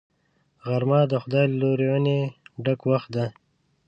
غرمه د خدای له لورینې ډک وخت دی